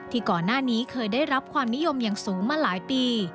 ก่อนหน้านี้เคยได้รับความนิยมอย่างสูงมาหลายปี